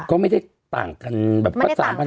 ก็ไม่ได้ต่างกันแบบ๓๐๐๐กว่าล้าน